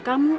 aku juga kak